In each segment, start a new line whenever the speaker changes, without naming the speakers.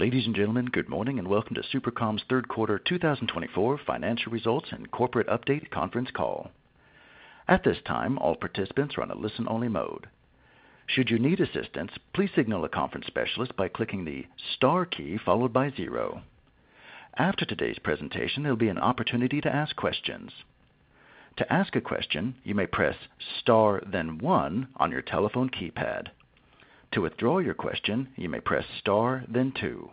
Ladies and gentlemen, good morning and welcome to SuperCom's Third Quarter 2024 Financial Results and Corporate Update Conference Call. A t this time, all participants are on a listen-only mode. Should you need assistance, please signal a conference specialist by the star key followed by zero. After today's presentation, there 'll be an opportunity to ask questions. To ask a question, you may press star, then one on your telephone keypad. To withdraw your question, you may press star, then two.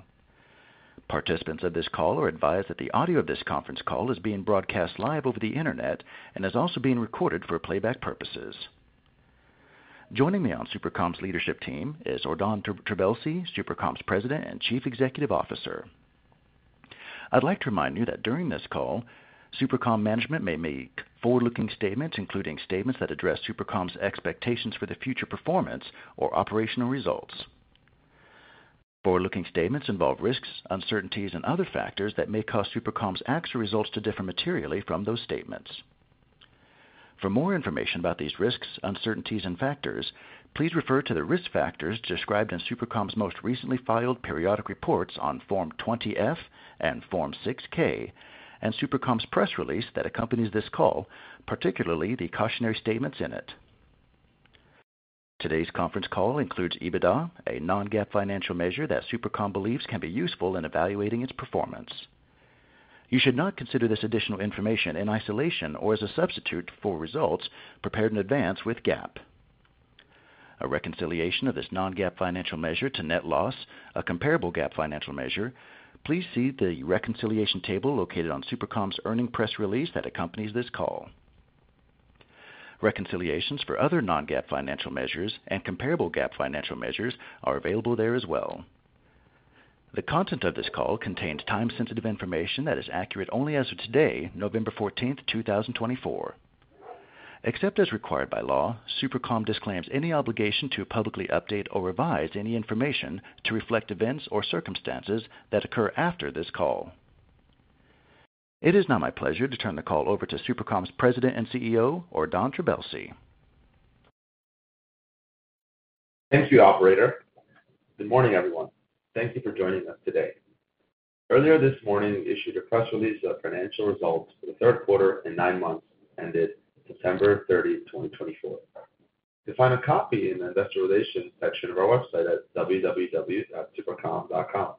Participants of this call are advised that the audio of this conference call is being broadcast live over the internet and is also being recorded for playback purposes. Joining me on SuperCom's leadership team is Ordan Trabelsi, SuperCom's president and chief executive officer. I'd like to remind you that during this call, SuperCom management may make forward-looking statements, including statements that address SuperCom's expectations for the future performance or operational results. Forward-looking statements involve risks, uncertainties, and other factors that may cause SuperCom's acts or results to differ materially from those statements. For more information about these risks, uncertainties, and factors, please refer to the risk factors described in SuperCom's most recently filed periodic reports on Form 20-F and Form 6-K, and Super Com's press release that accompanies this call, particularly the cautionary statements in it. Today's conference call includes EBITDA, a non-GAAP financial measure that SuperCom believes can be useful in evaluating its performance. You should not consider this additional information in isolationor as a substitute for results prepared in advance with GAAP. A reconciliation of this non-GAAP financial measure to net loss, a comparable GAAP financial measure. Please see the reconciliation table located on SuperCom's earnings press release that accompanies this call. Reconciliations for other non-GAAP financial measures and comparable GAAP financial measures are available there as well. The content of this call contains time-sensitive information that is accurate only as of today, November 14th, 2024. Except as required by law, SuperCom disclaims any obligation to publicly update or revise any information to reflect events or circumstances that occur after this call. It is now my pleasure to turn the call over to SuperCom's President and CEO, Ordan Trabelsi.
Thank you, operator. Good morning, everyone. Thank you for joining us today. Earlier this morning, we issued a press release of financial results for the third quarter and nine months ended September 30th, 2024. You'll find a copy in the investor relations section of our website at www.SuperCom.com.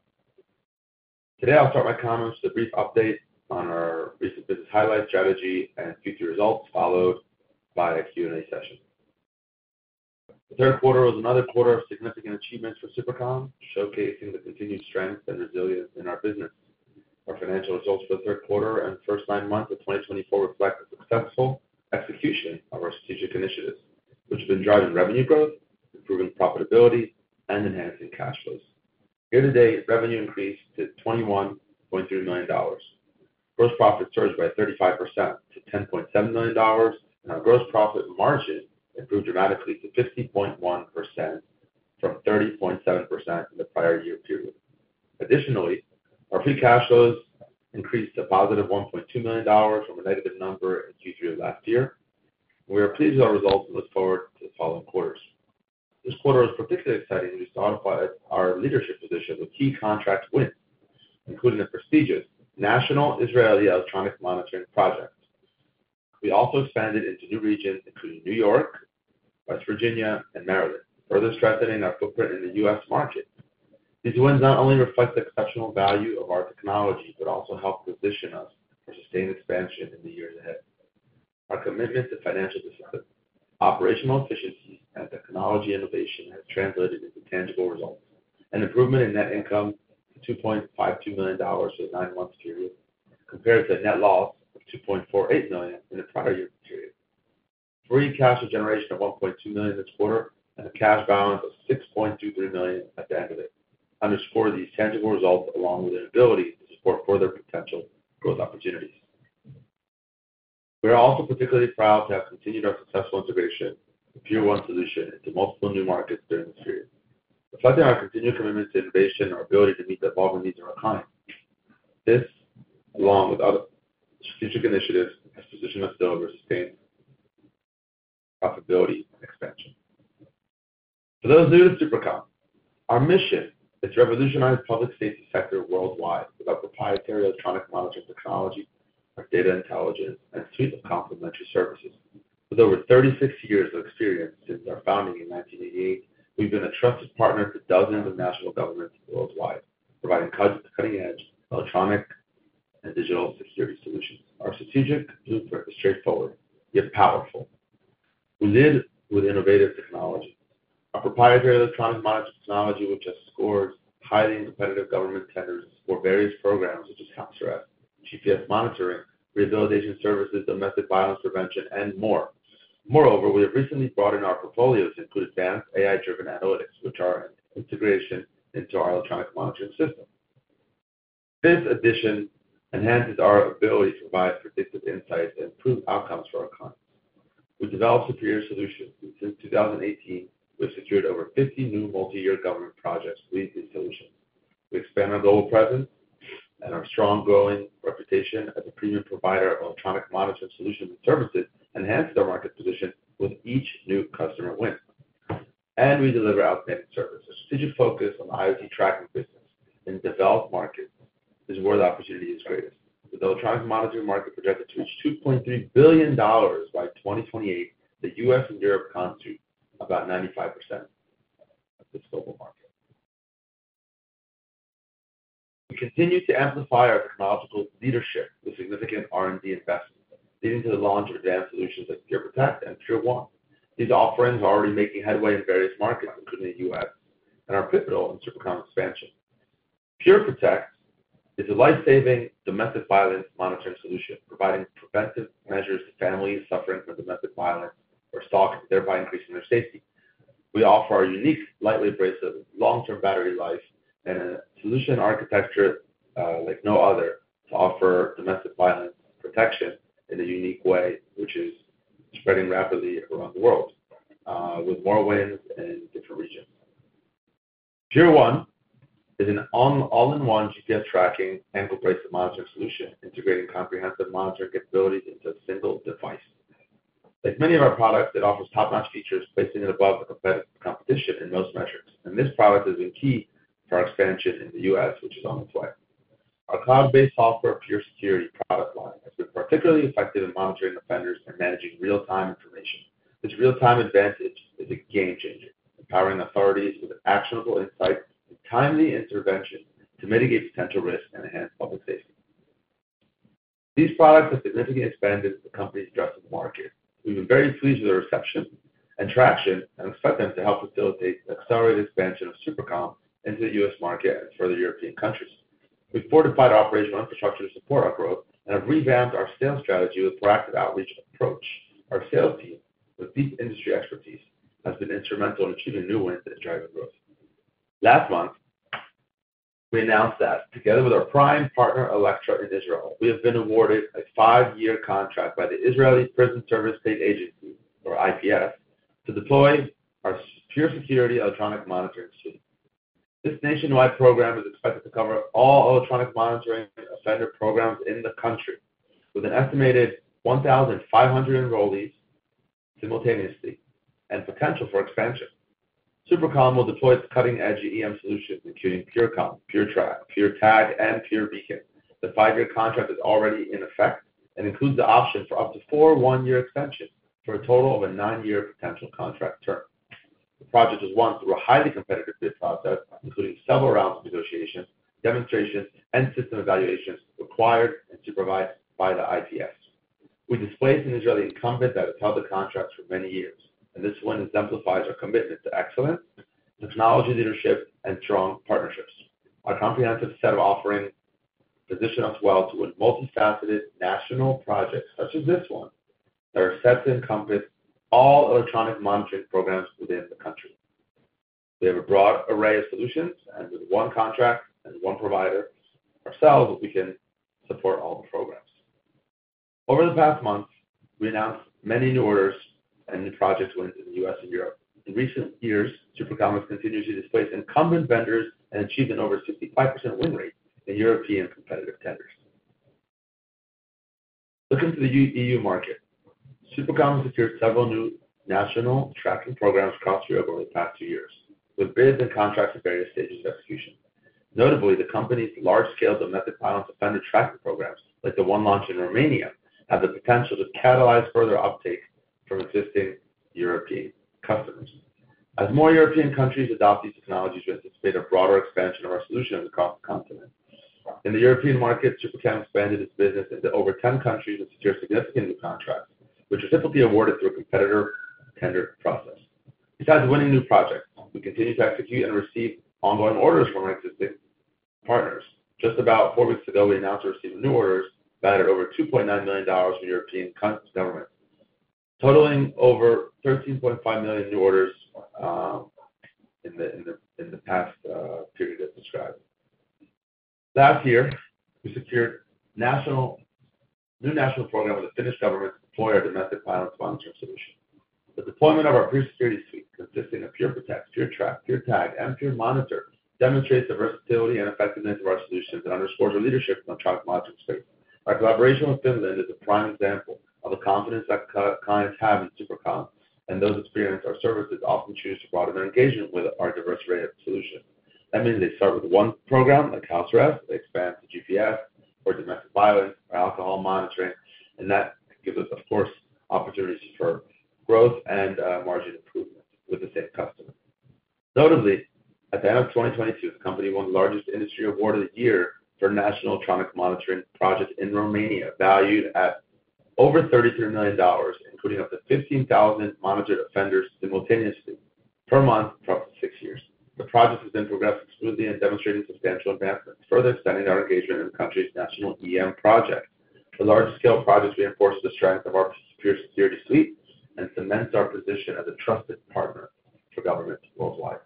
Today, I'll start my comments with a brief update on our recent business highlights, strategy and future results, followed by a Q&A session. The third quarter was another quarter of significant achievements for SuperCom, showcasing the continued strength and resilience in our business. Our financial results for the third quarter and first nine months of 2024 reflect a successful execution of our strategic initiatives, which have been driving revenue growth, improving profitability, and enhancing cash flows. Year-to-date, revenue increased to $21.3 million. Gross profit surged by 35% to $10.7 million, and our gross profit margin improved dramatically to 50.1% from 30.7% in the prior year period. Additionally, our free cash flows increased to positive $1.2 million from a negative number in Q3 of last year. We are pleased with our results and look forward to the following quarters. This quarter was particularly exciting as we solidified our leadership position with key contract wins, including a prestigious national Israeli electronic monitoring project. We also expanded into new regions, including New York, West Virginia, and Maryland, further strengthening our footprint in the U.S. market. These wins not only reflect the exceptional value of our technology but also help position us for sustained expansion in the years ahead. Our commitment to financial decisions, operational efficiencies, and technology innovation has translated into tangible results. An improvement in net income to $2.52 million for the nine-month period compared to a net loss of $2.48 million in the prior year period. Free cash generation of $1.2 million this quarter and a cash balance of $6.23 million at the end of it underscore these tangible results along with our ability to support further potential growth opportunities. We are also particularly proud to have continued our successful integration of PureOne solution into multiple new markets during this period, reflecting our continued commitment to innovation and our ability to meet the evolving needs of our clients. This, along with other strategic initiatives, has positioned us to deliver sustained profitability and expansion. For those new to SuperCom, our mission is to revolutionize public safety sector worldwide with our proprietary electronic monitoring technology, our data intelligence, and suite of complementary services. With over 36 years of experience since our founding in 1988, we've been a trusted partner to dozens of national governments worldwide, providing cutting-edge electronic and digital security solutions. Our strategic blueprint is straightforward yet powerful. We lead with innovative technology: our proprietary electronic monitoring technology, which has scored highly in competitive government tenders for various programs such as house arrest, GPS monitoring, rehabilitation services, domestic violence prevention, and more. Moreover, we have recently brought in our portfolios to include advanced AI-driven analytics, which are an integration into our electronic monitoring system. This addition enhances our ability to provide predictive insights and improve outcomes for our clients. We've developed superior solutions, and since 2018, we've secured over 50 new multi-year government projects leading these solutions. We expand our global presence and our strong growing reputation as a premium provider of electronic monitoring solutions and services, which enhance our market position with each new customer win, and we deliver outstanding services. Our strategic focus on the IoT tracking business in developed markets is where the opportunity is greatest. With electronic monitoring market projected to reach $2.3 billion by 2028, the U.S. and Europe concentrate about 95% of this global market. We continue to amplify our technological leadership with significant R&D investments, leading to the launch of advanced solutions like PureProtect and PureOne. These offerings are already making headway in various markets, including the U.S., and are pivotal in SuperCom expansion. PureProtect is a lifesaving domestic violence monitoring solution, providing preventive measures to families suffering from domestic violence or stalking, thereby increasing their safety. We offer a unique lightweight bracelet, long-term battery life, and a solution architecture like no other to offer domestic violence protection in a unique way, which is spreading rapidly around the world with more wins in different regions. PureOne is an all-in-one GPS tracking ankle bracelet monitoring solution, integrating comprehensive monitoring capabilities into a single device. Like many of our products, it offers top-notch features, placing it above the competition in most metrics. And this product has been key for our expansion in the U.S., which is on its way. Our cloud-based software PureSecurity product line has been particularly effective in monitoring offenders and managing real-time information. This real-time advantage is a game changer, empowering authorities with actionable insights and timely intervention to mitigate potential risks and enhance public safety. These products have significantly expanded the company's addressable market. We've been very pleased with their reception and traction and expect them to help facilitate the accelerated expansion of SuperCom into the U.S. market and further European countries. We've fortified our operational infrastructure to support our growth and have revamped our sales strategy with a proactive outreach approach. Our sales team, with deep industry expertise, has been instrumental in achieving new wins and driving growth. Last month, we announced that together with our prime partner, Electra in Israel, we have been awarded a five-year contract by the Israeli Prison Service State Agency, or IPS, to deploy our PureSecurity electronic monitoring suite. This nationwide program is expected to cover all electronic monitoring offender programs in the country, with an estimated 1,500 enrollees simultaneously and potential for expansion. SuperCom will deploy its cutting-edge EM solutions, including PureCom, PureTrack, PureTag, and PureBeacon. The five-year contract is already in effect and includes the option for up to four one-year extensions for a total of a nine-year potential contract term. The project was won through a highly competitive bid process, including several rounds of negotiations, demonstrations, and system evaluations required and supervised by the IPS. We displaced an Israeli incumbent that has held the contract for many years, and this win exemplifies our commitment to excellence, technology leadership, and strong partnerships. Our comprehensive set of offerings positions us well for a multifaceted national project such as this one that is set to encompass all electronic monitoring programs within the country. We have a broad array of solutions, and with one contract and one provider ourselves, we can support all the programs. Over the past month, we announced many new orders and new project wins in the U.S. and Europe. In recent years, SuperCom has continuously displaced incumbent vendors and achieved an over 65% win rate in European competitive tenders. Looking to the EU market, SuperCom has secured several new national tracking programs across Europe over the past two years, with bids and contracts at various stages of execution. Notably, the company's large-scale domestic violence offender tracking programs, like the one launched in Romania, have the potential to catalyze further uptake from existing European customers. As more European countries adopt these technologies, we anticipate a broader expansion of our solution across the continent. In the European market, SuperCom expanded its business into over 10 countries and secured significant new contracts, which are typically awarded through a competitive tender process. Besides winning new projects, we continue to execute and receive ongoing orders from our existing partners. Just about four weeks ago, we announced we received new orders valued at over $2.9 million from European governments, totaling over $13.5 million new orders in the past period as described. Last year, we secured a new national program with the Finnish government to deploy our domestic violence monitoring solution. The deployment of our PureSecurity suite, consisting of PureProtect, PureTrack, PureTag, and PureMonitor, demonstrates the versatility and effectiveness of our solutions and underscores our leadership in the electronic monitoring space. Our collaboration with Finland is a prime example of the confidence that clients have in SuperCom, and those experienced our services often choose to broaden their engagement with our diverse array of solutions. That means they start with one program like house arrest, they expand to GPS for domestic violence or alcohol monitoring, and that gives us, of course, opportunities for growth and margin improvement with the same customer. Notably, at the end of 2022, the company won the largest industry award of the year for a national electronic monitoring project in Romania, valued at over $33 million, including up to 15,000 monitored offenders simultaneously per month for up to six years. The project has been progressing smoothly and demonstrating substantial advancements, further extending our engagement in the country's national EM projects. The large-scale projects reinforce the strength of our PureSecurity suite and cement our position as a trusted partner for governments worldwide.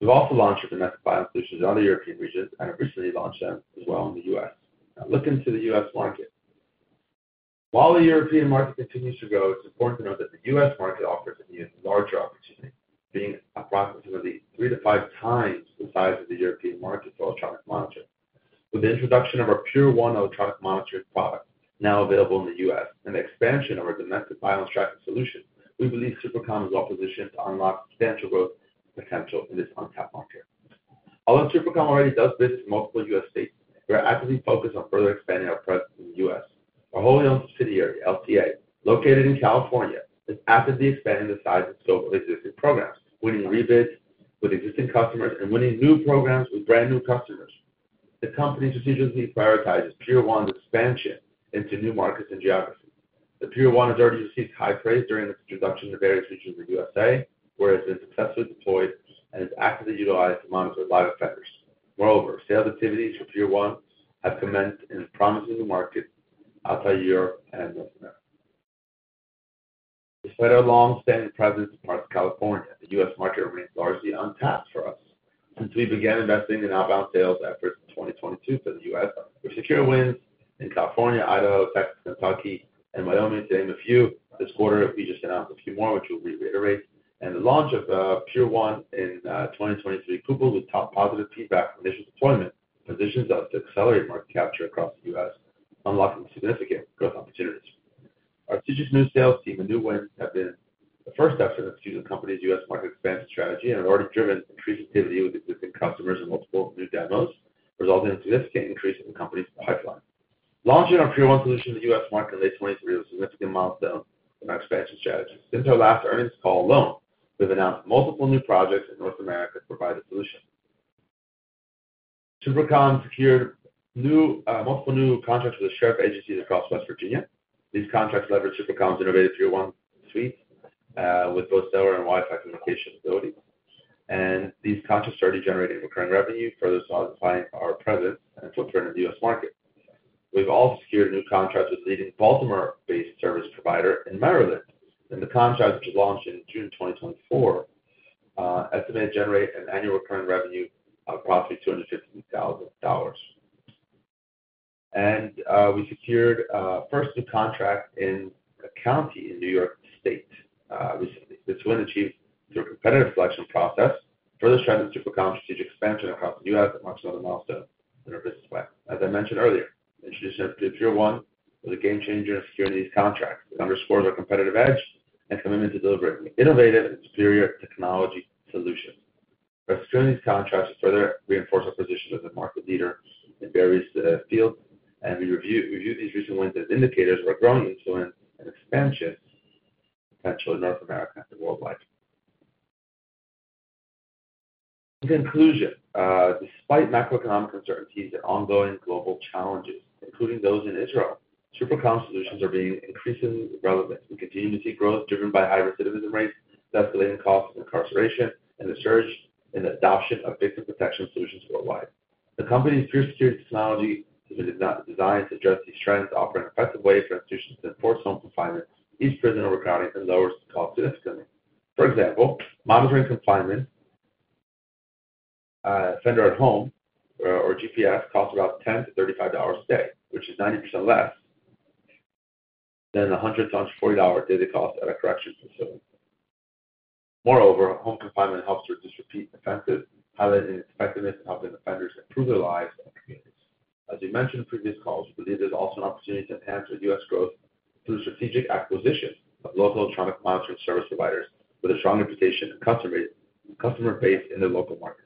We've also launched our domestic violence solutions in other European regions and have recently launched them as well in the U.S. Now, looking to the U.S. market, while the European market continues to grow, it's important to note that the U.S. market offers a new and larger opportunity, being approximately three to five times the size of the European market for electronic monitoring. With the introduction of our PureOne electronic monitoring product now available in the U.S. and the expansion of our domestic violence tracking solutions, we believe SuperCom is well positioned to unlock substantial growth potential in this untapped market. Although SuperCom already does business in multiple U.S. states, we are actively focused on further expanding our presence in the U.S. Our wholly-owned subsidiary,, located in California, is actively expanding the size and scope of existing programs, winning rebids with existing customers and winning new programs with brand new customers. The company strategically prioritizes PureOne's expansion into new markets and geographies. The PureOne has already received high praise during its introduction to various regions of the U.S. where it has been successfully deployed and is actively utilized to monitor live offenders. Moreover, sales activities for PureOne have commenced in promising markets outside Europe and North America. Despite our long-standing presence in parts of California, the U.S. market remains largely untapped for us. Since we began investing in outbound sales efforts in 2022 for the U.S., we've secured wins in California, Idaho, Texas, Kentucky, and Wyoming, to name a few. This quarter, we just announced a few more, which we'll reiterate, and the launch of PureOne in 2023, coupled with top positive feedback from initial deployment, positions us to accelerate market capture across the U.S., unlocking significant growth opportunities. Our strategic new sales team, a new win, has been the first step to execute the company's U.S. market expansion strategy and has already driven increased activity with existing customers in multiple new demos, resulting in a significant increase in the company's pipeline. Launching our PureOne solution in the U.S. market in late 2023 was a significant milestone in our expansion strategy. Since our last earnings call alone, we've announced multiple new projects in North America to provide the solution. SuperCom secured multiple new contracts with the Sheriff's Agency across West Virginia. These contracts leverage SuperCom's innovative PureOne suite with both cellular and Wi-Fi communication abilities, and these contracts are already generating recurring revenue, further solidifying our presence and footprint in the U.S. market. We've also secured a new contract with a leading Baltimore-based service provider in Maryland, and the contract, which was launched in June 2024, estimates generating an annual recurring revenue of approximately $250,000, and we secured our first new contract in a county in New York State recently. This win, achieved through a competitive selection process, further strengthening SuperCom's strategic expansion across the U.S. and marks another milestone in our business plan. As I mentioned earlier, the introduction of PureOne was a game changer in securing these contracts. It underscores our competitive edge and commitment to delivering innovative and superior technology solutions. Our securing these contracts further reinforced our position as a market leader in various fields. We reviewed these recent wins as indicators of our growing influence and expansion potentially in North America and worldwide. In conclusion, despite macroeconomic uncertainties and ongoing global challenges, including those in Israel, SuperCom's solutions are being increasingly relevant. We continue to see growth driven by high recidivism rates, escalating costs of incarceration, and the surge in the adoption of victim protection solutions worldwide. The company's PureSecurity technology has been designed to address these trends, offering an effective way for institutions to enforce home confinement, ease prison overcrowding, and lower costs significantly. For example, monitoring confinement, offender at home, or GPS, costs about $10-$35 a day, which is 90% less than a $100-$140 daily cost at a correction facility. Moreover, home confinement helps to reduce repeat offenses, highlighting its effectiveness in helping offenders improve their lives and communities. As we mentioned in previous calls, we believe there's also an opportunity to enhance U.S. growth through strategic acquisitions of local electronic monitoring service providers with a strong reputation and customer base in the local markets.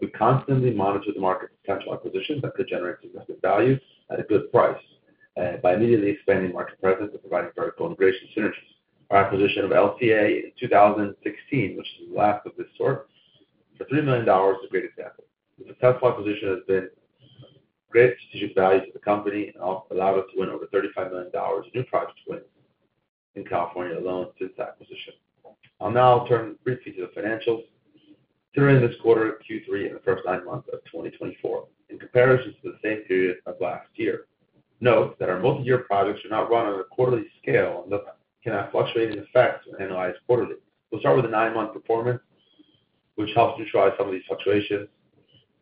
We constantly monitor the market's potential acquisitions that could generate significant value at a good price by immediately expanding market presence and providing vertical integration synergies. Our acquisition of LCA in 2016, which is the last of this sort, for $3 million, is a great example. This successful acquisition has been great strategic value to the company and allowed us to win over $35 million in new project wins in California alone since acquisition. I'll now turn briefly to the financials. Considering this quarter, Q3, and the first nine months of 2024, in comparison to the same period of last year, note that our multi-year projects are not run on a quarterly scale and can have fluctuating effects when analyzed quarterly. We'll start with the nine-month performance, which helps neutralize some of these fluctuations,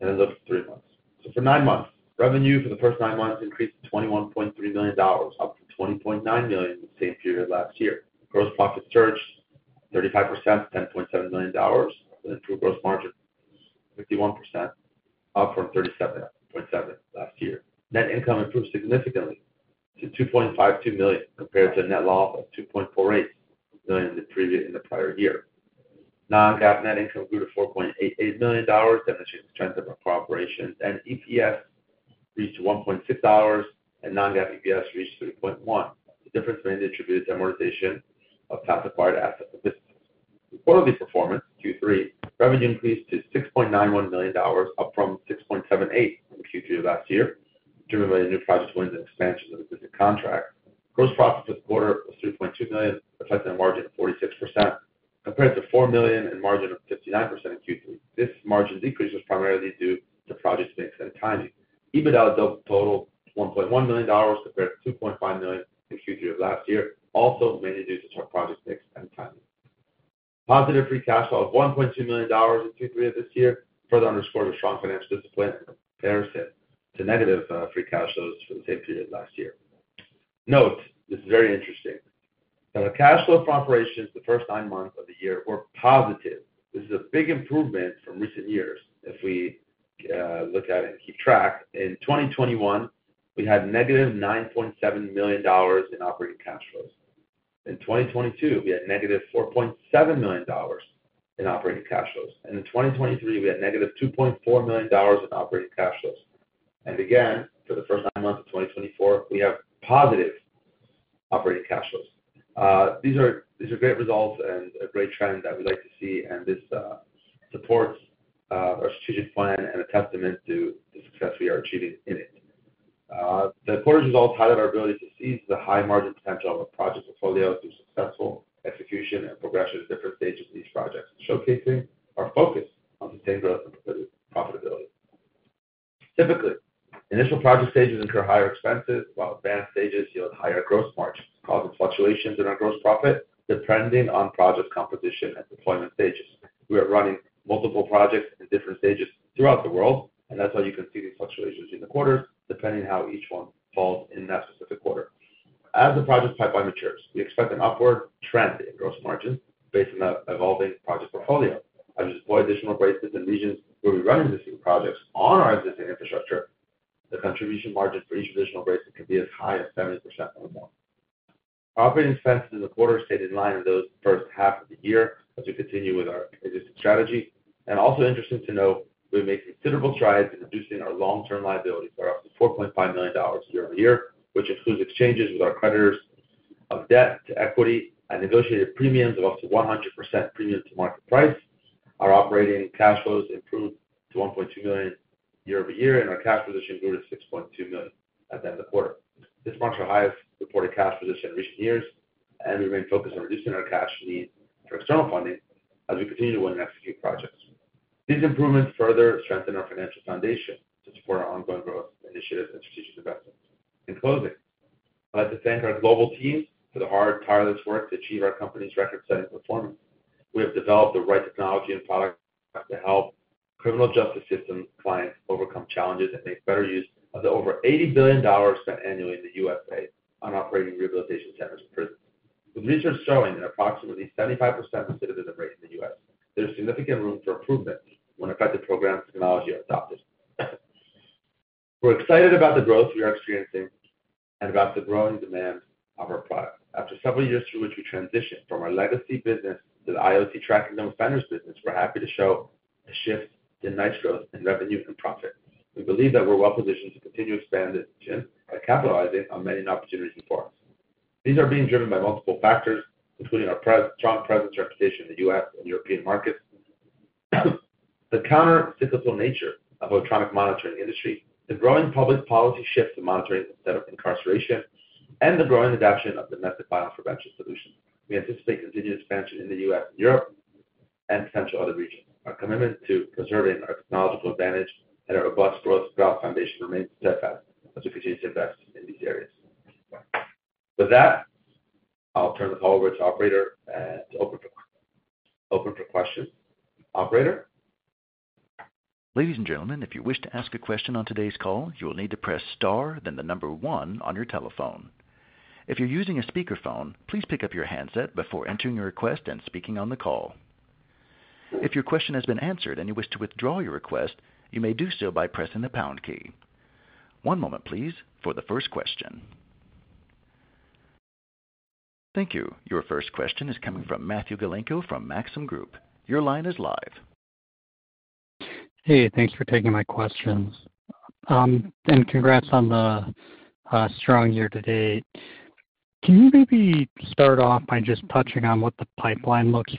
and then look at three months, so for nine months, revenue for the first nine months increased to $21.3 million, up from $20.9 million in the same period last year. Gross profit surged 35% to $10.7 million, with an improved gross margin of 51%, up from 37.7% last year. Net income improved significantly to $2.52 million compared to a net loss of $2.48 million in the prior year. Non-GAAP net income grew to $4.88 million, demonstrating the strength of our cooperation. EPS reached $1.6, and non-GAAP EPS reached $3.1, the difference being the attributed amortization of past acquired assets and businesses. Quarterly performance, Q3, revenue increased to $6.91 million, up from $6.78 in Q3 of last year, driven by new project wins and expansions of existing contracts. Gross profit for the quarter was $3.2 million, reflecting a margin of 46%, compared to $4 million and a margin of 59% in Q3. This margin decrease was primarily due to project mix and timing. EBITDA totaled $1.1 million, compared to $2.5 million in Q3 of last year, also mainly due to project mix and timing. Positive free cash flow of $1.2 million in Q3 of this year further underscores a strong financial discipline and comparison to negative free cash flows for the same period last year. Note, this is very interesting, that our cash flow from operations the first nine months of the year were positive. This is a big improvement from recent years, if we look at it and keep track. In 2021, we had negative $9.7 million in operating cash flows. In 2022, we had negative $4.7 million in operating cash flows. And in 2023, we had negative $2.4 million in operating cash flows. And again, for the first nine months of 2024, we have positive operating cash flows. These are great results and a great trend that we'd like to see. And this supports our strategic plan and a testament to the success we are achieving in it. The quarter's results highlight our ability to seize the high margin potential of our project portfolios through successful execution and progression at different stages of these projects, showcasing our focus on sustained growth and profitability. Typically, initial project stages incur higher expenses, while advanced stages yield higher gross margins, causing fluctuations in our gross profit depending on project composition and deployment stages. We are running multiple projects in different stages throughout the world, and that's why you can see these fluctuations in the quarters, depending on how each one falls in that specific quarter. As the project pipeline matures, we expect an upward trend in gross margins based on the evolving project portfolio. As we deploy additional braces and regions where we run existing projects on our existing infrastructure, the contribution margin for each additional brace can be as high as 70% or more. Operating expenses in the quarter stayed in line with those the first half of the year as we continue with our existing strategy, and also interesting to note, we've made considerable strides in reducing our long-term liabilities by up to $4.5 million year-over-year, which includes exchanges with our creditors of debt to equity and negotiated premiums of up to 100% premium to market price. Our operating cash flows improved to $1.2 million year-over-year, and our cash position grew to $6.2 million at the end of the quarter. This marks our highest reported cash position in recent years, and we remain focused on reducing our cash need for external funding as we continue to win and execute projects. These improvements further strengthen our financial foundation to support our ongoing growth initiatives and strategic investments. In closing, I'd like to thank our global team for the hard, tireless work to achieve our company's record-setting performance. We have developed the right technology and products to help criminal justice system clients overcome challenges and make better use of the over $80 billion spent annually in the U.S. on operating rehabilitation centers and prisons. With research showing an approximately 75% recidivism rate in the U.S., there is significant room for improvement when effective programs and technology are adopted. We're excited about the growth we are experiencing and about the growing demand of our product. After several years through which we transitioned from our legacy business to the IoT tracking and offenders business, we're happy to show a shift in nice growth in revenue and profit. We believe that we're well positioned to continue expanding and capitalizing on many opportunities before us. These are being driven by multiple factors, including our strong presence and reputation in the U.S. and European markets, the countercyclical nature of the electronic monitoring industry, the growing public policy shift to monitoring instead of incarceration, and the growing adoption of domestic violence prevention solutions. We anticipate continued expansion in the U.S. and Europe and potential other regions. Our commitment to preserving our technological advantage and our robust growth foundation remains steadfast as we continue to invest in these areas. With that, I'll turn the call over to Operator to open for questions. Operator?
Ladies and gentlemen, if you wish to ask a question on today's call, you will need to press star, then the number one on your telephone. If you're using a speakerphone, please pick up your handset before entering your request and speaking on the call. If your question has been answered and you wish to withdraw your request, you may do so by pressing the pound key. One moment, please, for the first question. Thank you. Your first question is coming from Matthew Galinko from Maxim Group. Your line is live.
Hey, thanks for taking my questions. And congrats on the strong year to date. Can you maybe start off by just touching on what the pipeline looks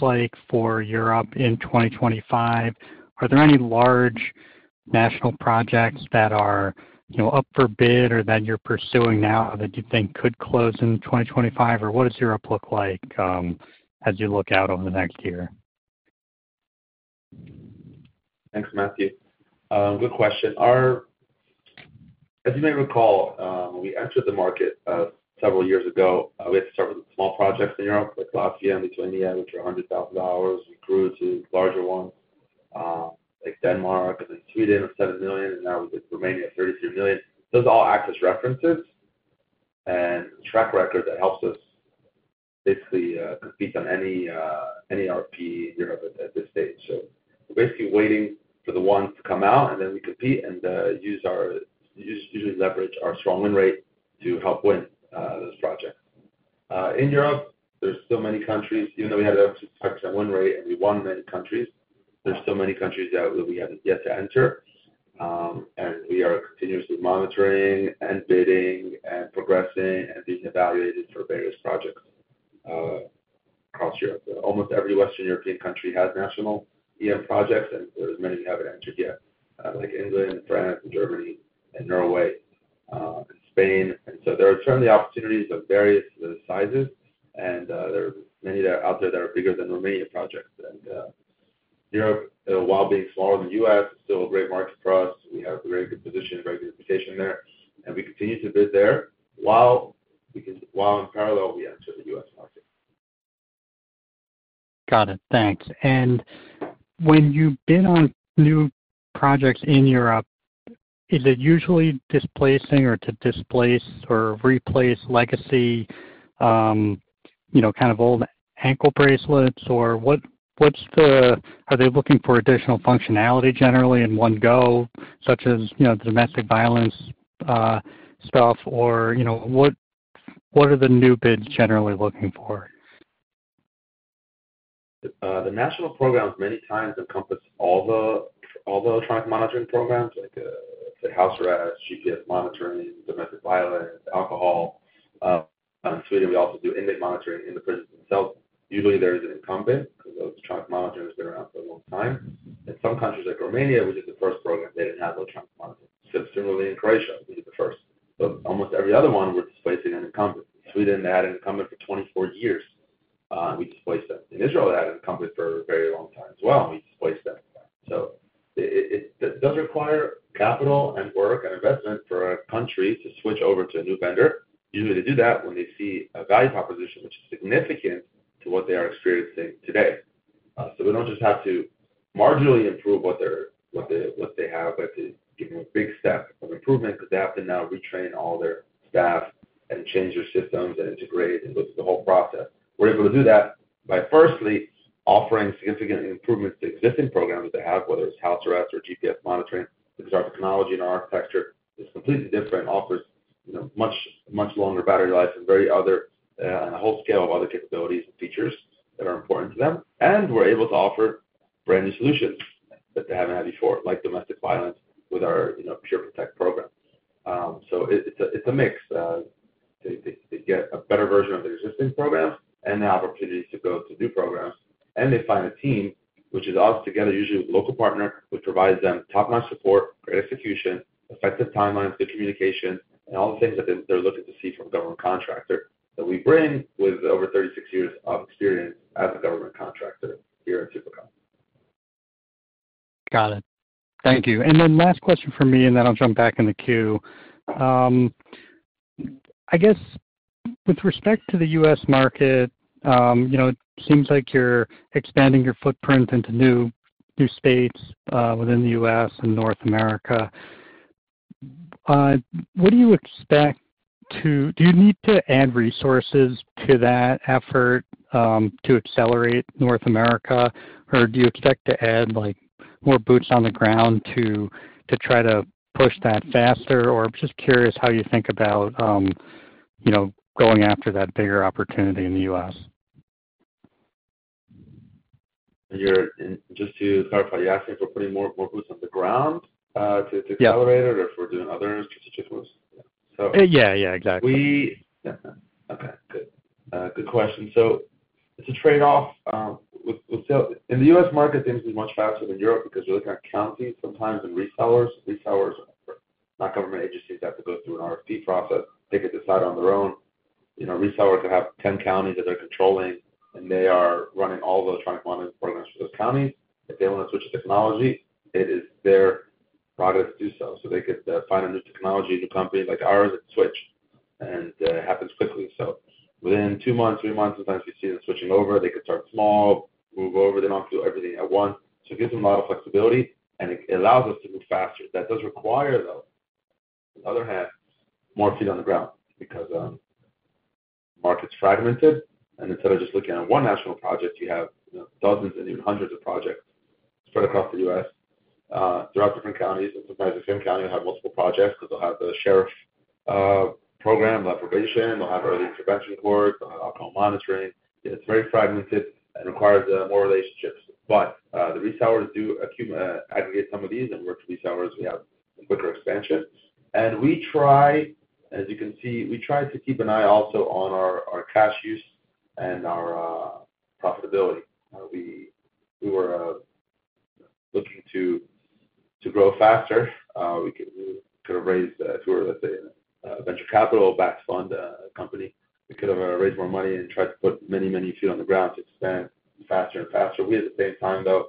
like for Europe in 2025? Are there any large national projects that are up for bid or that you're pursuing now that you think could close in 2025? Or what does your uplook like as you look out over the next year? Thanks, Matthew. Good question. As you may recall, when we entered the market several years ago, we had started with small projects in Europe, like Latvia and Lithuania, which were $100,000.
We grew to larger ones, like Denmark, and then Sweden of $7 million, and now we're with Romania of $33 million. Those all act as references and track records that helps us basically compete on any RP in Europe at this stage. So we're basically waiting for the ones to come out, and then we compete and usually leverage our strong win rate to help win those projects. In Europe, there's so many countries. Even though we had a 5% win rate and we won many countries, there's so many countries that we have yet to enter. And we are continuously monitoring and bidding and progressing and being evaluated for various projects across Europe. Almost every Western European country has national EM projects, and there are many we haven't entered yet, like England, France, Germany, Norway, and Spain. There are certainly opportunities of various sizes, and there are many out there that are bigger than Romania projects. Europe, while being smaller than the U.S., is still a great market for us. We have a very good position, a very good reputation there, and we continue to bid there while in parallel we enter the U.S. market. Got it. Thanks.
When you bid on new projects in Europe, is it usually displacing or to displace or replace legacy kind of old ankle bracelets? Or are they looking for additional functionality generally in one go, such as domestic violence stuff? Or what are the new bids generally looking for?
The national programs many times encompass all the electronic monitoring programs, like house arrest, GPS monitoring, domestic violence, alcohol. In Sweden, we also do inmate monitoring in the prisons themselves. Usually, there is an incumbent because electronic monitoring has been around for a long time. In some countries like Romania, we did the first program. They didn't have electronic monitoring. Similarly, in Croatia, we did the first. But almost every other one, we're displacing an incumbent. In Sweden, they had an incumbent for 24 years, and we displaced them. In Israel, they had an incumbent for a very long time as well, and we displaced them. So it does require capital and work and investment for a country to switch over to a new vendor. Usually, they do that when they see a value proposition which is significant to what they are experiencing today. They don't just have to marginally improve what they have, but to give them a big step of improvement because they have to now retrain all their staff and change their systems and integrate and go through the whole process. We're able to do that by firstly offering significant improvements to existing programs they have, whether it's house arrest or GPS monitoring, because our technology and our architecture is completely different and offers much longer battery life and a whole scale of other capabilities and features that are important to them. We're able to offer brand new solutions that they haven't had before, like domestic violence, with our PureProtect program. It's a mix. They get a better version of their existing programs and the opportunity to go to new programs, and they find a team, which is us together, usually with a local partner, which provides them top-notch support, great execution, effective timelines, good communication, and all the things that they're looking to see from a government contractor that we bring with over 36 years of experience as a government contractor here at SuperCom.
Got it. Thank you, and then last question for me, and then I'll jump back in the queue. I guess with respect to the U.S. market, it seems like you're expanding your footprint into new states within the U.S. and North America. What do you expect to do? Do you need to add resources to that effort to accelerate North America? Or do you expect to add more boots on the ground to try to push that faster? Or, I'm just curious how you think about going after that bigger opportunity in the U.S.
Just to clarify, you're asking for putting more boots on the ground to accelerate it or for doing other strategic moves?
Yeah, yeah, exactly.
Okay. Good question, so it's a trade-off. In the U.S. market, things are much faster than Europe because you're looking at counties sometimes and resellers. Resellers, not government agencies, have to go through an RFP process. They get to decide on their own. Resellers have 10 counties that they're controlling, and they are running all the electronic monitoring programs for those counties. If they want to switch the technology, it is their product to do so. So they get to find a new technology, a new company like ours, and switch, and it happens quickly, so within two months, three months, sometimes you see them switching over. They could start small, move over. They don't have to do everything at once. So it gives them a lot of flexibility, and it allows us to move faster. That does require, though, on the other hand, more feet on the ground because the market's fragmented. And instead of just looking at one national project, you have dozens and even hundreds of projects spread across the U.S. throughout different counties. And sometimes the same county will have multiple projects because they'll have the sheriff program, the probation, they'll have early intervention courts, they'll have alcohol monitoring. It's very fragmented and requires more relationships. But the resellers do aggregate some of these and work with resellers. We have a quicker expansion. And as you can see, we try to keep an eye also on our cash use and our profitability. We were looking to grow faster. We could have raised if we were, let's say, a venture capital backed fund company, we could have raised more money and tried to put many, many feet on the ground to expand faster and faster. We at the same time, though,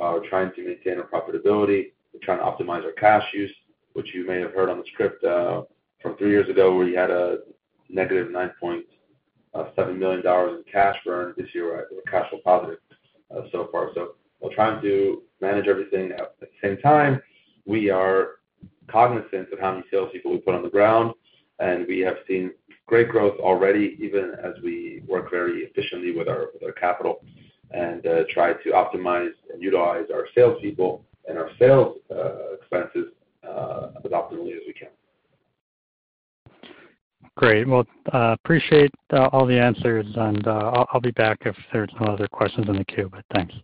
are trying to maintain our profitability. We're trying to optimize our cash use, which you may have heard on the script from three years ago where you had a -$9.7 million in cash burn. This year, we're cash flow positive so far. So we're trying to manage everything. At the same time, we are cognizant of how many salespeople we put on the ground, and we have seen great growth already, even as we work very efficiently with our capital and try to optimize and utilize our salespeople and our sales expenses as optimally as we can. Great.
I appreciate all the answers, and I'll be back if there's no other questions in the queue, but thanks.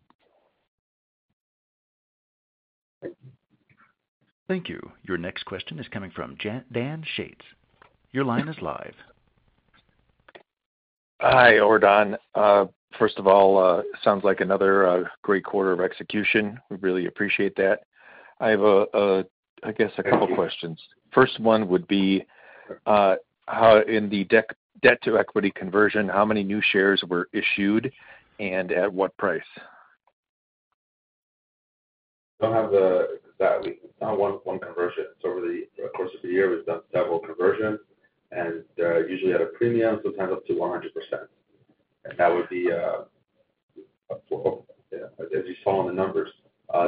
Thank you. Your next question is coming from Dan Shates. Your line is live.
Hi, Ordan. First of all, it sounds like another great quarter of execution. We really appreciate that. I have, I guess, a couple of questions. First one would be, in the debt to equity conversion, how many new shares were issued and at what price?
We don't have that. It's not one conversion. So over the course of the year, we've done several conversions, and usually at a premium, sometimes up to 100%. And that would be, as you saw in the numbers,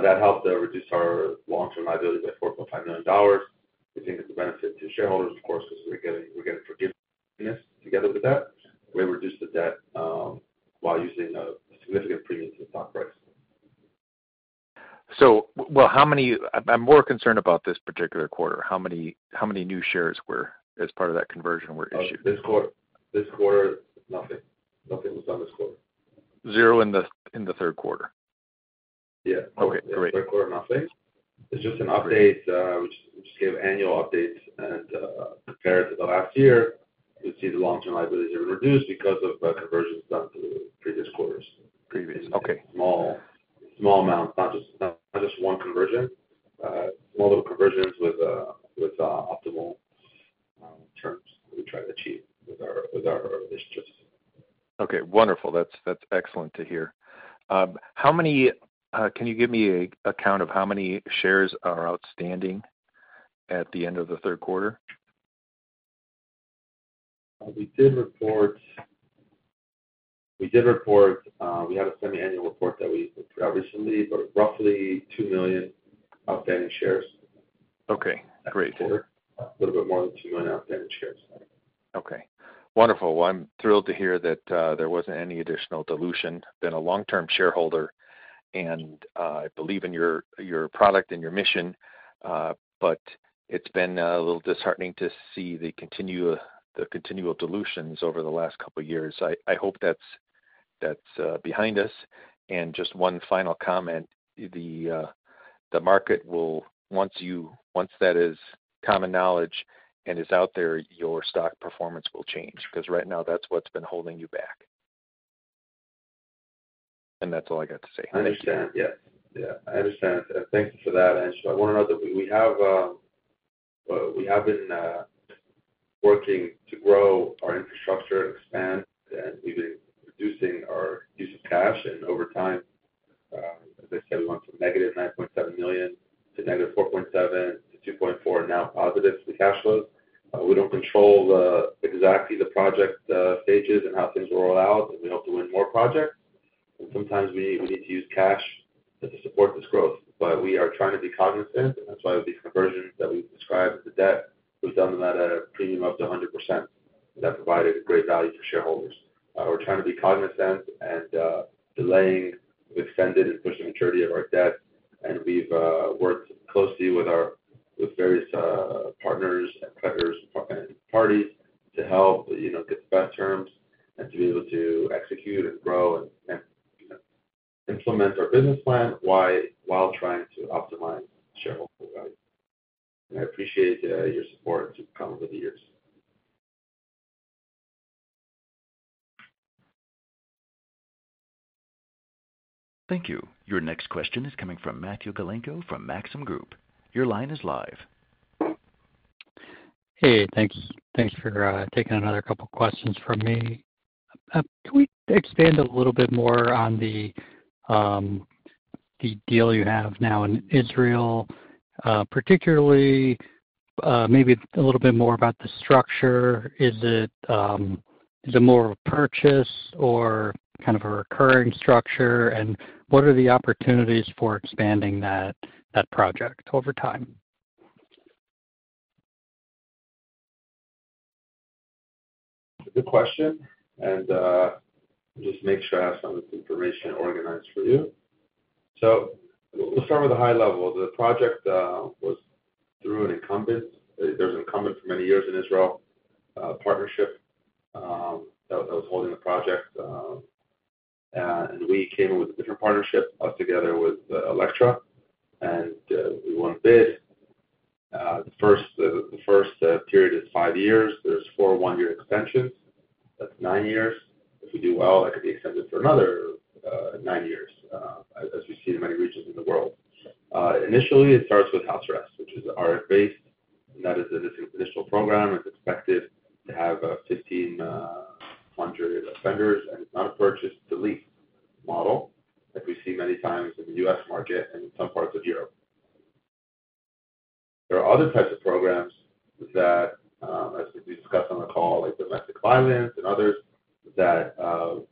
that helped reduce our long-term liability by $4.5 million. We think it's a benefit to shareholders, of course, because we're getting forgiveness together with that. We reduced the debt while using a significant premium to the stock price.
I'm more concerned about this particular quarter. How many new shares as part of that conversion were issued?
This quarter, nothing. Nothing was done this quarter.
Zero in the third quarter? Yeah. Okay. Great.
Third quarter, nothing. It's just an update. We just gave annual updates, and compared to the last year, we see the long-term liability has been reduced because of conversions done through previous quarters. Previously.
Okay. Small amounts, not just one conversion?
Small little conversions with optimal terms that we try to achieve with our relationships.
Okay. Wonderful. That's excellent to hear. Can you give me a count of how many shares are outstanding at the end of the third quarter?
We had a semi-annual report that we put out recently, but roughly two million outstanding shares.
Okay. Great.
A little bit more than 2 million outstanding shares.
Okay. Wonderful. Well, I'm thrilled to hear that there wasn't any additional dilution. Been a long-term shareholder, and I believe in your product and your mission, but it's been a little disheartening to see the continual dilutions over the last couple of years. I hope that's behind us. And just one final comment. The market will, once that is common knowledge and is out there, your stock performance will change because right now, that's what's been holding you back. And that's all I got to say.
I understand. Yes. Yeah. I understand. Thank you for that. And so I want to know that we have been working to grow our infrastructure and expand, and we've been reducing our use of cash. Over time, as I said, we went from -$9.7 million to -$4.7 million to $2.4 million, now positive for the cash flows. We don't control exactly the project stages and how things will roll out, and we hope to win more projects. Sometimes we need to use cash to support this growth. But we are trying to be cognizant, and that's why these conversions that we've described with the debt, we've done them at a premium up to 100%. That provided great value for shareholders. We're trying to be cognizant and delaying. We've extended and pushed the maturity of our debt, and we've worked closely with various partners and parties to help get the best terms and to be able to execute and grow and implement our business plan while trying to optimize shareholder value. I appreciate your support to come over the years.
Thank you. Your next question is coming from Matthew Galinko from Maxim Group. Your line is live.
Hey. Thanks for taking another couple of questions for me. Can we expand a little bit more on the deal you have now in Israel, particularly maybe a little bit more about the structure? Is it more of a purchase or kind of a recurring structure? And what are the opportunities for expanding that project over time?
Good question. And just make sure I have some of this information organized for you. So we'll start with the high level. The project was through an incumbent. There's an incumbent for many years in Israel, a partnership that was holding the project. And we came up with a different partnership, us together with Electra, and we won bid. The first period is five years. There's four one-year extensions. That's nine years. If we do well, that could be extended for another nine years, as we see in many regions in the world. Initially, it starts with house arrest, which is RF-based, and that is an initial program. It's expected to have 1,500 offenders, and it's not a purchase-lease model that we see many times in the U.S. market and in some parts of Europe. There are other types of programs that, as we discussed on the call, like domestic violence and others, that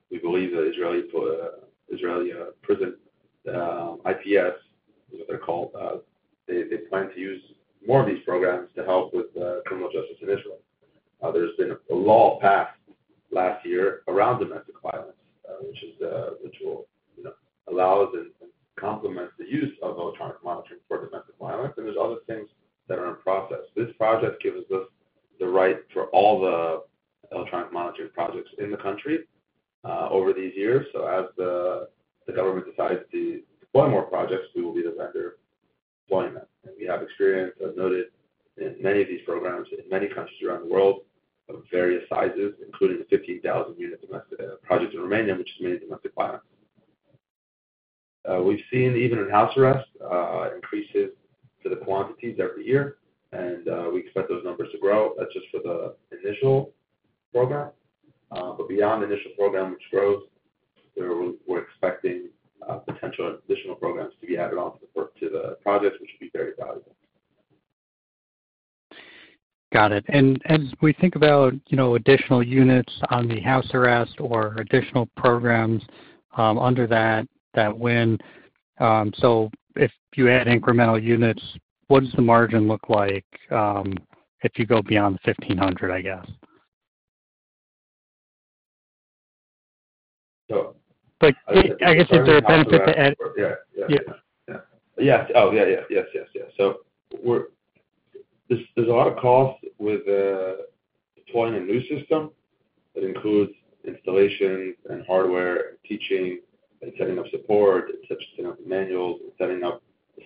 there's a lot of costs with deploying a new system that includes installation and hardware and teaching and setting up support and manuals and setting up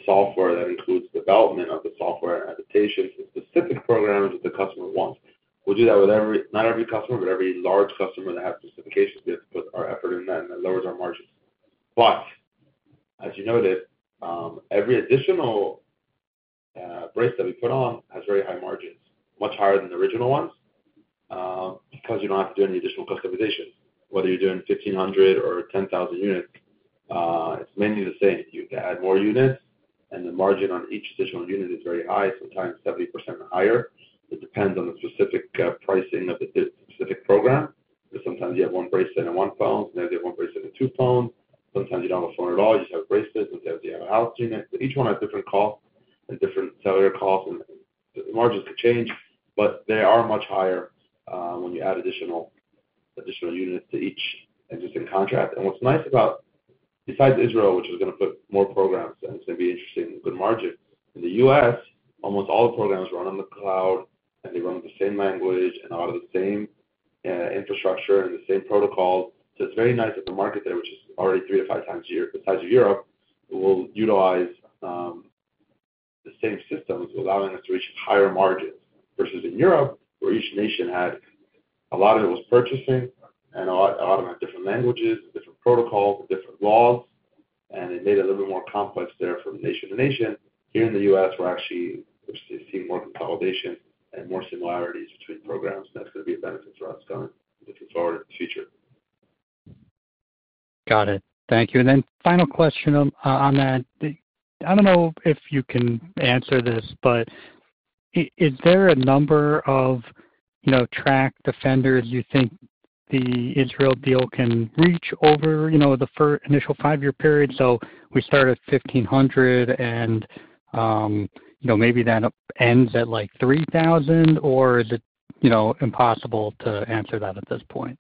software that includes development of the software and adaptations and specific programs that the customer wants. We do that with not every customer, but every large customer that has specifications. We have to put our effort in that, and that lowers our margins. But as you noted, every additional brace that we put on has very high margins, much higher than the original ones because you don't have to do any additional customizations. Whether you're doing 1,500 or 10,000 units, it's mainly the same. You add more units, and the margin on each additional unit is very high, sometimes 70% or higher. It depends on the specific pricing of the specific program. Sometimes you have one brace and one phone, sometimes you have one brace and two phones. Sometimes you don't have a phone at all. You just have a brace system. Sometimes you have a house unit. So each one has different costs and different seller costs, and the margins could change, but they are much higher when you add additional units to each existing contract. What's nice about, besides Israel, which is going to put more programs and it's going to be interesting and good margins, in the U.S., almost all the programs run on the cloud, and they run with the same language and are the same infrastructure and the same protocols. It's very nice that the market there, which is already three-to-five times the size of Europe, will utilize the same systems, allowing us to reach higher margins versus in Europe, where each nation had a lot of it was purchasing, and a lot of them had different languages, different protocols, different laws, and it made it a little bit more complex there from nation to nation. Here in the U.S., we're actually seeing more consolidation and more similarities between programs, and that's going to be a benefit for us going looking forward to the future.
Got it. Thank you. And then the final question on that. I don't know if you can answer this, but is there a number of tracked offenders you think the Israel deal can reach over the initial five-year period? So we start at 1,500, and maybe that ends at like 3,000, or is it impossible to answer that at this point?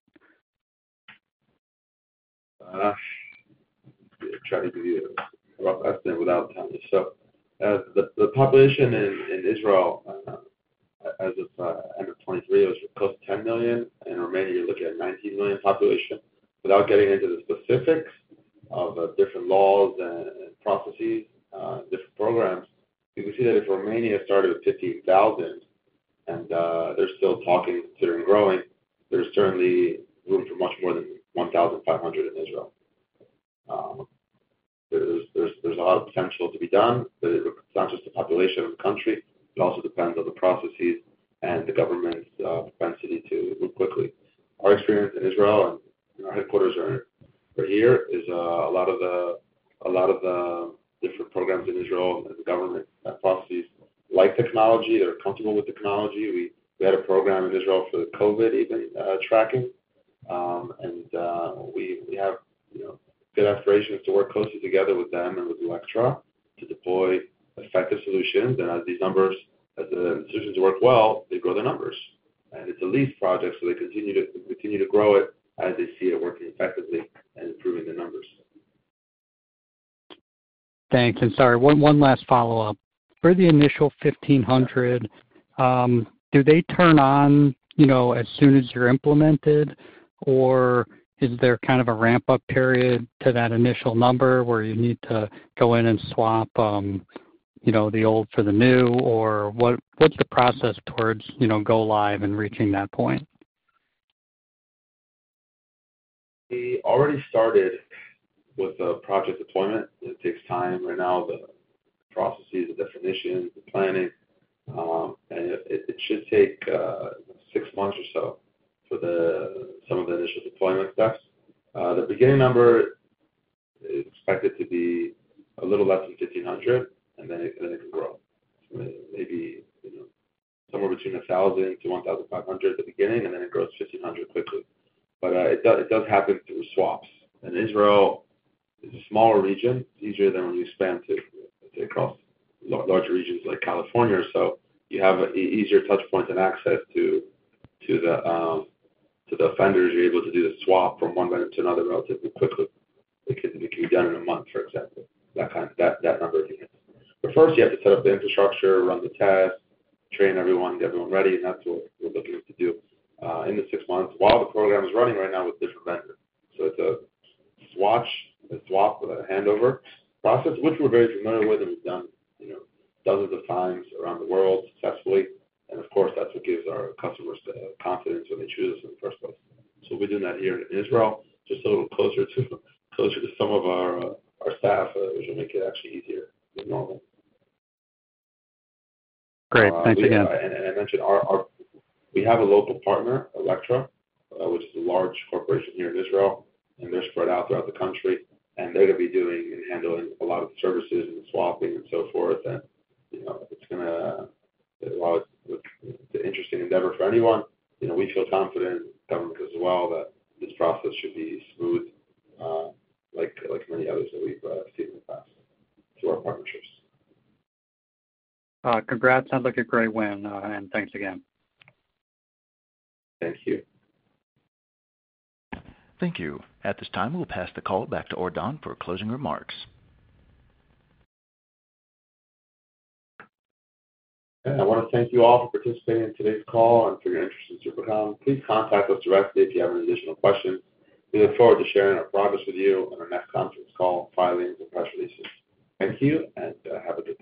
I'm trying to give you a rough estimate without telling you. So the population in Israel, as of end of 2023, was close to 10 million, and Romania, you're looking at a 19 million population. Without getting into the specifics of different laws and processes and different programs, you can see that if Romania started with 15,000 and they're still talking, considering growing, there's certainly room for much more than 1,500 in Israel. There's a lot of potential to be done, but it's not just the population of the country. It also depends on the processes and the government's propensity to move quickly. Our experience in Israel and our headquarters are here, is a lot of the different programs in Israel and the government and processes like technology. They're comfortable with technology. We had a program in Israel for the COVID event tracking, and we have good aspirations to work closely together with them and with Electra to deploy effective solutions. And as these numbers, as the solutions work well, they grow their numbers. And it's a lease project, so they continue to grow it as they see it working effectively and improving their numbers.
Thanks. And sorry, one last follow-up. For the initial 1,500, do they turn on as soon as you're implemented, or is there kind of a ramp-up period to that initial number where you need to go in and swap the old for the new? Or what's the process towards go-live and reaching that point?
We already started with the project deployment.It takes time right now, the processes, the definitions, the planning. And it should take six months or so for some of the initial deployment steps. The beginning number is expected to be a little less than 1,500, and then it can grow. Maybe somewhere between 1,000 to 1,500 at the beginning, and then it grows to 1,500 quickly. But it does happen through swaps. And Israel is a smaller region. It's easier than when you expand to, let's say, across large regions like California or so. You have an easier touchpoint and access to the offenders. You're able to do the swap from one vendor to another relatively quickly. It can be done in a month, for example, that number of units. But first, you have to set up the infrastructure, run the test, train everyone, get everyone ready, and that's what we're looking to do in the six months while the program is running right now with different vendors. So it's a switch and swap with a handover process, which we're very familiar with and we've done dozens of times around the world successfully. And of course, that's what gives our customers the confidence when they choose us in the first place. So we're doing that here in Israel, just a little closer to some of our staff, which will make it actually easier than normal.
Great. Thanks again,
I mentioned we have a local partner, Electra, which is a large corporation here in Israel, and they're spread out throughout the country. They're going to be doing and handling a lot of the services and the swapping and so forth. It's going to be an interesting endeavor for anyone. We feel confident, government as well, that this process should be smooth like many others that we've seen in the past through our partnerships.
Congrats. Sounds like a great win. And thanks again.
Thank you.
Thank you. At this time, we'll pass the call back to Ordan for closing remarks.
I want to thank you all for participating in today's call and for your interest in SuperCom. Please contact us directly if you have any additional questions. We look forward to sharing our progress with you on our next conference call, filings, and press releases. Thank you, and have a good day.